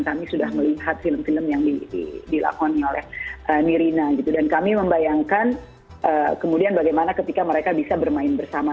kami sudah melihat film film yang dilakoni oleh nirina gitu dan kami membayangkan kemudian bagaimana ketika mereka bisa bermain bersama